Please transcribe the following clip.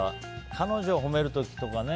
彼女を褒める時とかね